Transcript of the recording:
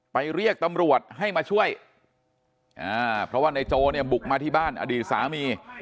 เรียกตำรวจให้มาช่วยเพราะว่านายโจเนี่ยบุกมาที่บ้านอดีตสามี